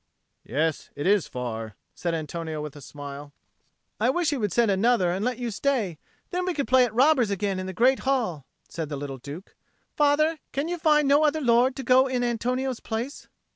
"Yes, it is far," said Antonio with a smile. "I wish he would send another and let you stay; then we could play at robbers again in the great hall," said the little Duke. "Father, can you find no other lord to go in Antonio's place?"